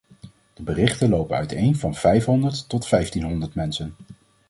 De berichten lopen uiteen van vijfhonderd tot vijftienhonderd mensen.